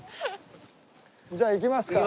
じゃあ行きますか。